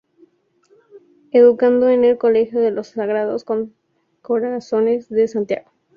Educado en el Colegio de los Sagrados Corazones de Santiago.